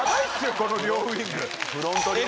この両ウイング。